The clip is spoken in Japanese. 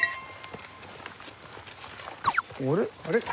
あれ？